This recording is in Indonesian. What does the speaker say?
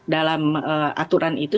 dalam aturan itu